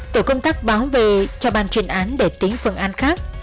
tổ công tác báo về cho ban chuyên án để tính phương án khác